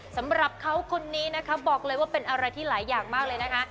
สำหรับเขาคนนี้นะคะบอกเลยว่าเป็นอะไรที่หลายอย่างมากเลยนะคะ